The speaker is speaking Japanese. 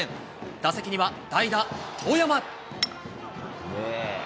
打席には代打、遠山。